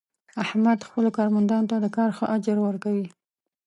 احمد خپلو کارمندانو ته د کار ښه اجر ور کوي.